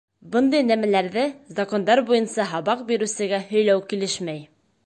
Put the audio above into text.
Бындай нәмәләрҙе Закондар буйынса һабаҡ биреүсегә һөйләү килешмәй.